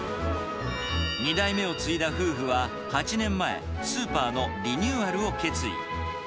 ２代目を継いだ夫婦は、８年前、スーパーのリニューアルを決意。